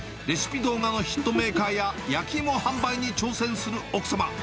レシピ動画のヒットメーカーや焼き芋販売に挑戦する奥様。